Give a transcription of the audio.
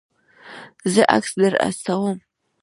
زه عکس در استوم